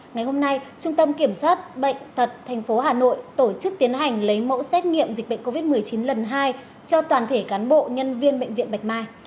ngày hôm nay trung tâm kiểm soát bệnh tật tp hà nội tổ chức tiến hành lấy mẫu xét nghiệm dịch bệnh covid một mươi chín lần hai cho toàn thể cán bộ nhân viên bệnh viện bạch mai